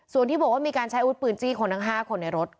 ส่วนที่บอกว่ามีการใช้อาวุธปืนจี้คนทั้ง๕คนในรถ